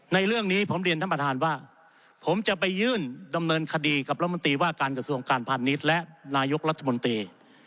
ในเรื่องนี้ผมเรียนท่านประธานว่าผมจะไปยื่นดำเนินคดีกับรัฐมนตรีว่าการกระทรวงการพาณิชย์และนายกรัฐมนตรี